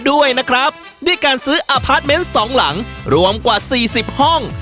ด้วยนะครับด้วยการซื้อสองหลังรวมกว่าสี่สิบห้อง